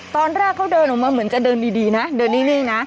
ตอนแรกเขาเดินออกมาเหมือนจะเดินดีนะเดินนิ่งนะ